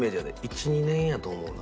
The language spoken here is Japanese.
１２年やと思うな。